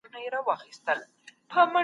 ساحوي څېړنه د ځای په لحاظ ځانګړې بڼه ده.